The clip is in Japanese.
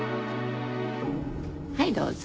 はいどうぞ。